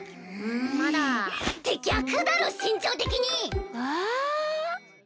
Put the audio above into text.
まだ。って逆だろ身長的に！ええ？